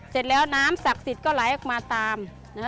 เสร็จแล้วน้ำศักดิ์สิทธิ์ก็ไหลออกมาตาม